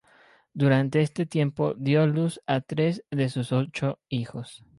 Durante este tiempo dio a luz a tres de sus ocho hijos.